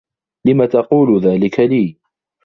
لم تقول ذلك لي؟